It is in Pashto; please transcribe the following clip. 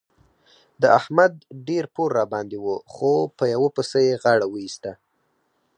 د احمد ډېر پور راباندې وو خو په یوه پسه يې غاړه وېسته.